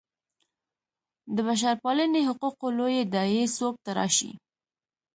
د بشرپالنې حقوقو لویې داعیې څوک تراشي.